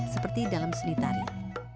seperti dalam seni tarian